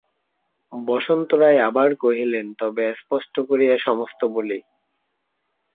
বসন্ত রায় আবার কহিলেন, তবে স্পষ্ট করিয়া সমস্ত বলি।